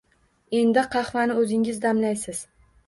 Endi qahvani o'zingiz damlaysiz